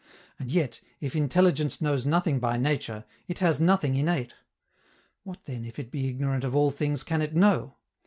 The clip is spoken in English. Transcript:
And yet, if intelligence knows nothing by nature, it has nothing innate. What, then, if it be ignorant of all things, can it know?